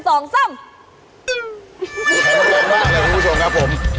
ขอบคุณครับ